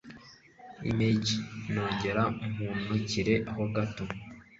Img nongere mpunikire ho gato